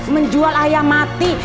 menjual ayam mati